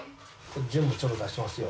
全部ちょっと出しますよ。